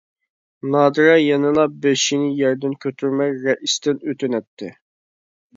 نادىرە يەنىلا بېشىنى يەردىن كۆتۈرمەي رەئىستىن ئۆتۈنەتتى.